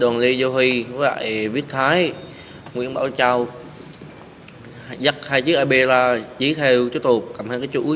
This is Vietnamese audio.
tôi bảo chào dắt hai chiếc ap la dí theo chú tục cầm hai cái chuỗi